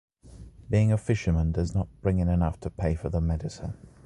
Being a fisherman does not bring in enough to pay for medicine.